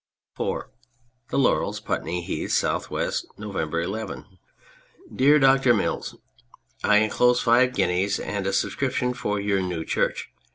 IV Tlic Laurels, Putney Heath, S. W. November 9. DEAR DOCTOR MILLS, I enclose five guineas and a subscription for your new church.